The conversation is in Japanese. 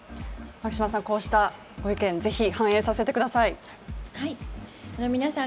牧島さん、こうした声、ぜひ反映させてください。